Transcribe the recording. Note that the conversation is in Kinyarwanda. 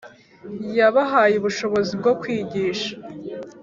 Yabahaye ubushobozi bwo kwigisha